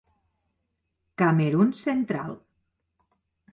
Camerun central.